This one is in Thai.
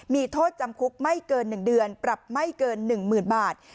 มีโทษจำคุกไม่เกิน๑เดือนปรับไม่เกิน๑๐๐๐บาท